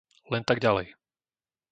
Len tak ďalej!